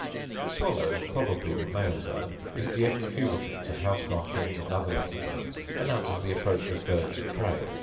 The swallow, probably the male bird, is the excubitor to house martins, and other little birds, announcing the approach of birds of prey.